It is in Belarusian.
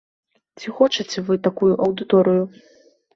Ці хочаце вы такую аўдыторыю?